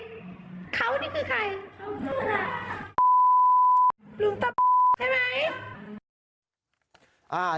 หลวงตตใช่ไหม